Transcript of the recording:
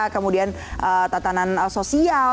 kemudian tatanan sosial